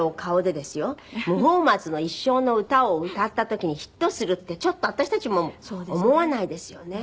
『無法松の一生』の歌を歌った時にヒットするってちょっと私たちも思わないですよね。